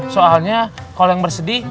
soalnya kalo yang bersedih